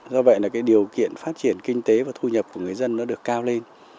do vậy là cái điều kiện phát triển kinh tế và thu nhập của người dân nó được cao lên